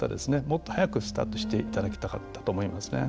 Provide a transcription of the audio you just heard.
もっと早くスタートしていただきたかったと思いますね。